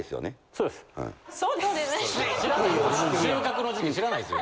そうです。